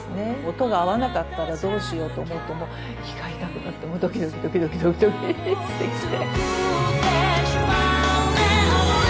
音が合わなかったらどうしようと思うと胃が痛くなってドキドキドキドキドキドキしてきて。